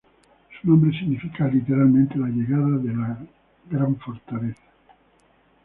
Su nombre significa literalmente "La llegada de gran fortaleza".